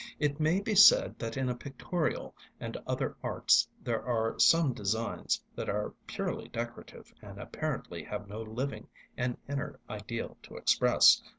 It may be said that in pictorial and other arts there are some designs that are purely decorative and apparently have no living and inner ideal to express.